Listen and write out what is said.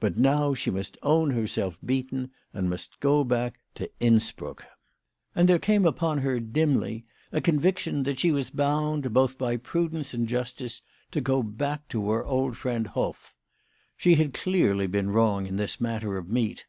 But now she must own herself beaten, and must go back to Innsbruck. And there came upon her dimly a conviction that she was bound, both by prudence and justice, to go back to her old friend Hoff. She had clearly been wrong in this matter of meat.